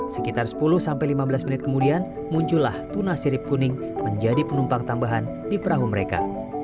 sekitar sepuluh sampai lima belas menit kemudian muncullah tuna sirip kuning menjadi penumpang tambahan di perahu mereka